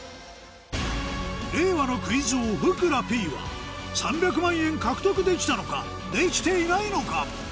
令和のクイズ王ふくらＰは３００万円獲得できたのかできていないのか？